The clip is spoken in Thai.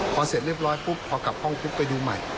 พอเสร็จเรียบร้อยปุ๊บพอกลับห้องปุ๊บไปดูใหม่